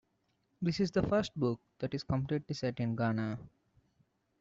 This is the first book that is completely set in Ghana.